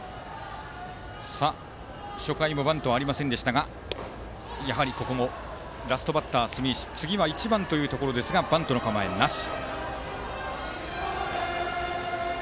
初回もバントはありませんでしたがやはりここもラストバッターの住石次は１番というところですがバントの構えはなし。